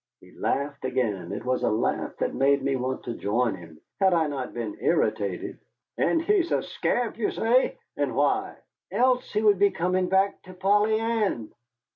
He laughed again. It was a laugh that made me want to join him, had I not been irritated. "And he's a scamp, you say. And why?" "Else he would be coming back to Polly Ann."